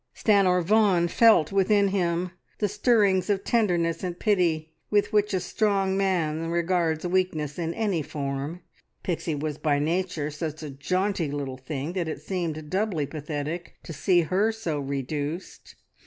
Stanor Vaughan felt within him the stirrings of tenderness and pity with which a strong man regards weakness in any form. Pixie was by nature such a jaunty little thing that it seemed doubly pathetic to see her so reduced.